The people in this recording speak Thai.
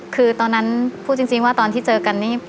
คือตอนนั้นพูดจริงว่าตอนที่เจอกันนี่